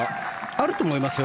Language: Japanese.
あると思いますよ。